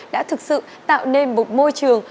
đã thực sự tạo nên một môi trường